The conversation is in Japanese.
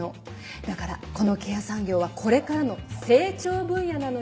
だからこのケア産業はこれからの成長分野なのよ。